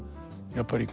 やっぱり